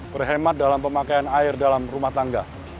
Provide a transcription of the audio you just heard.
berhemat dalam pemakaian air dalam rumah tangga